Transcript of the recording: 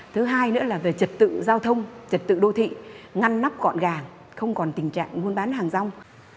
thứ hai nữa là về trật tự giao thông trật tự đô thị ngăn nắp gọn gàng không còn tình trạng muôn bán hàng rong